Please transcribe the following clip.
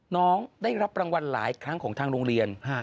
น้องได้รับรางวัลหลายครั้งของทางโรงเรียน